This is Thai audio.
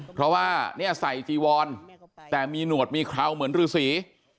เพราะว่าเนี่ยใส่จีวอนแต่มีหนวดมีเคราวเหมือนฤษี